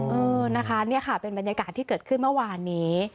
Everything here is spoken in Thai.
เออนะคะนี่ค่ะเป็นบรรยากาศที่เกิดขึ้นเมื่อวานนี้